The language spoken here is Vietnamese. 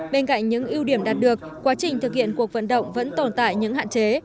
bên cạnh những ưu điểm đạt được quá trình thực hiện cuộc vận động vẫn tồn tại những hạn chế